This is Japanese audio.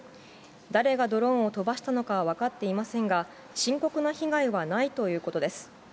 誰がドローンを飛ばしたのかは分かっていませんが、深刻な被害はないということです。